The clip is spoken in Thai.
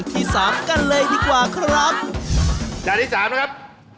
ที่สามกันเลยดีกว่าครับจานที่สามนะครับ